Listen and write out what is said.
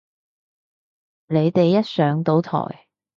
你哋一上到台